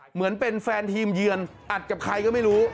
เหมือนเป็นแฟนทีมเยือนอัดกับใครก็ไม่รู้